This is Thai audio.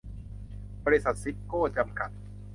บริษัท ซีฟโก้ จำกัด